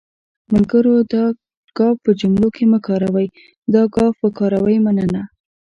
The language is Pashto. ملګرو دا گ په جملو کې مه کاروٸ، دا ګ وکاروٸ.مننه